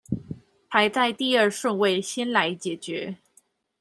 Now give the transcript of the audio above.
排在第二順位先來解決